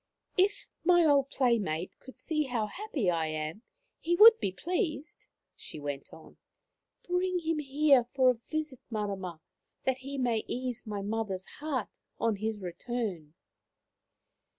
" If my old playmate could see how happy I am he would be pleased," she went on. " Bring him here for a visit, Marama, that he may ease my mother's heart on his return."